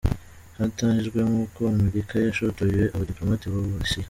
Hatangajwemo ko Amerika yashotoye abadiplomate b’u Burusiya.